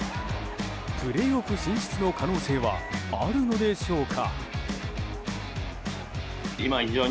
プレーオフ進出の可能性はあるのでしょうか。